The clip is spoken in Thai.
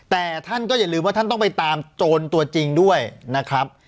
แต่ท่านก็อย่าลืมว่าท่านต้องไปตามโจรตัวจริงด้วยนะครับ